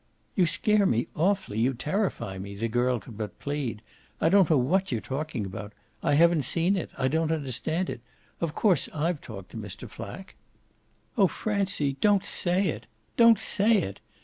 "You scare me awfully you terrify me," the girl could but plead. "I don't know what you're talking about. I haven't seen it, I don't understand it. Of course I've talked to Mr. Flack." "Oh Francie, don't say it don't SAY it!